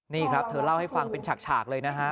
นี่ครับเธอเล่าให้ฟังเป็นฉากเลยนะฮะ